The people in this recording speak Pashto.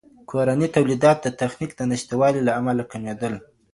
کورني توليدات د تخنيک د نشتوالي له امله کميدل.